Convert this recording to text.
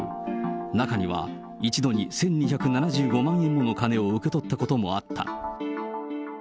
中には一度に１２７５万円もの金を受け取ったこともあった。